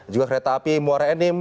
juga kereta api muara enim